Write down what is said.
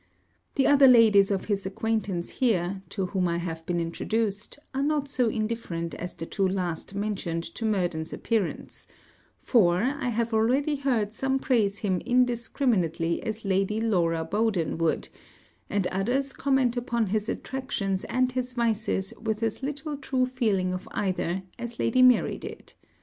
The other ladies of his acquaintance here, to whom I have been introduced, are not so indifferent as the two last mentioned to Murden's appearance; for, I have already heard some praise him indiscriminately as Lady Laura Bowden would, and others comment upon his attractions and his vices with as little true feeling of either as Lady Mary did.